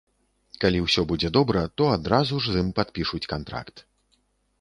Калі ўсё будзе добра, то адразу ж з ім падпішуць кантракт.